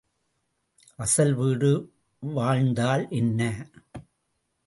அசல் வீடு வாழ்ந்தால் என்ன?